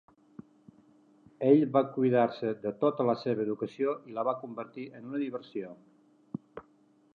Ell va cuidar-se de tota la seva educació i la va convertir en una diversió.